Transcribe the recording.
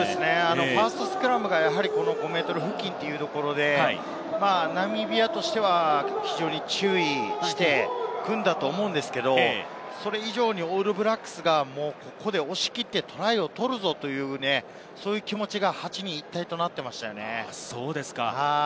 ファーストスクラムが５ｍ付近というところで、ナミビアとしては非常に注意して組んだと思うんですけれど、それ以上にオールブラックスが押し切ってトライを取るぞという、気持ちが８人一体となっていましたね。